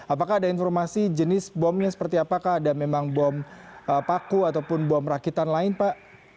apakah ada informasi jenis bomnya seperti apakah ada memang bom paku ataupun bom rakitan lain pak